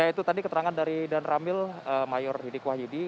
ya itu tadi keterangan dari dan ramil mayor didik wahyudi